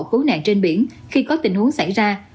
cứu nạn trên biển khi có tình huống xảy ra